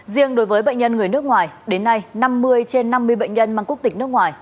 riêng đối với bệnh nhân người nước ngoài đến nay năm mươi trên năm mươi bệnh nhân mang quốc tịch nước ngoài